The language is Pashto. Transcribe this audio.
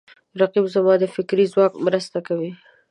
رقیب زما د فکري ځواک مرسته کوي